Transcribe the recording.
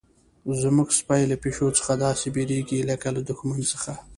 زموږ سپی له پیشو څخه داسې بیریږي لکه له دښمن څخه.